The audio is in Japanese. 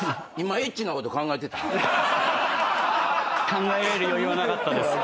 考えられる余裕はなかったです。